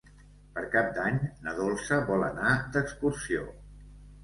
Per Cap d'Any na Dolça vol anar d'excursió.